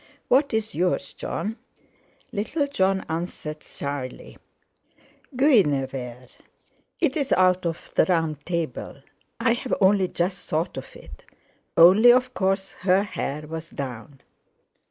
"What is yours, Jon?" Little Jon answered shyly: "Guinevere! it's out of the Round Table—I've only just thought of it, only of course her hair was down."